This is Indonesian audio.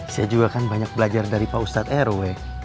saya juga kan banyak belajar dari pak ustadz rw